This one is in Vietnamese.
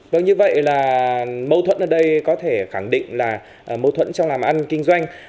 vâng như vậy là mâu thuẫn ở đây có thể khẳng định là mâu thuẫn trong làm ăn kinh doanh